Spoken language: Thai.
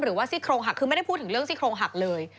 ซี่โครงหักคือไม่ได้พูดถึงเรื่องซี่โครงหักเลย